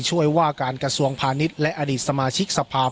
ช่วยว่าการกระทรวงพาณิชย์และอดีตสมาชิกสภาพ